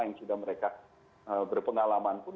yang sudah mereka berpengalaman pun